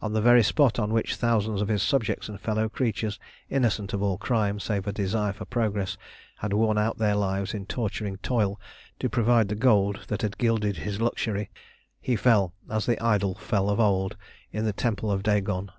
On the very spot on which thousands of his subjects and fellow creatures, innocent of all crime save a desire for progress, had worn out their lives in torturing toil to provide the gold that had gilded his luxury, he fell as the Idol fell of old in the temple of Dagon.